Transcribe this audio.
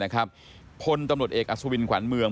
คนตำรวจเอกอัศวินขวัญเมือง